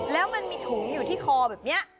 แล้วมันมีถุงอยู่ที่คอแบบนี้